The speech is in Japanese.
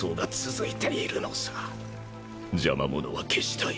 邪魔者は消したい。